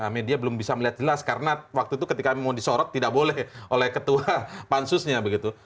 media belum bisa melihat jelas karena waktu itu ketika memang disorot tidak boleh oleh ketua pansusnya begitu